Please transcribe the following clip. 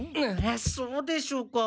そうでしょうか。